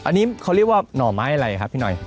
อันนี้เขาเรียกว่าหน่อไม้อะไรครับพี่หน่อย